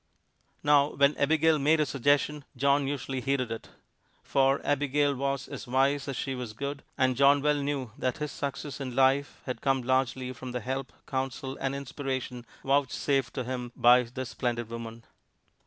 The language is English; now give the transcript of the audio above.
Now, when Abigail made a suggestion, John usually heeded it. For Abigail was as wise as she was good, and John well knew that his success in life had come largely from the help, counsel and inspiration vouchsafed to him by this splendid woman.